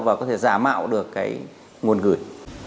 và có thể giả mạo được cái nguồn gửi